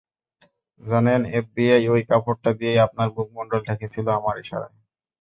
জানেন, এফবিআই অই কাপড়টা দিয়ে আপনার মুখমন্ডল ঢেকেছিল আমার ইশারায়।